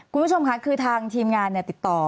คุณผู้ชมค่ะคือทางทีมงานติดต่อ